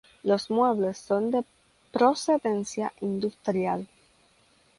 Los muebles son de procedencia industrial.